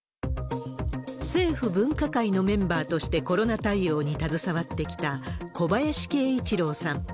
政府分科会のメンバーとしてコロナ対応に携わってきた小林慶一郎さん。